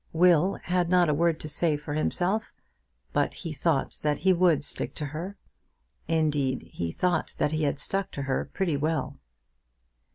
Will had not a word to say for himself, but he thought that he would stick to her. Indeed, he thought that he had stuck to her pretty well.